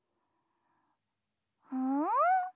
うん？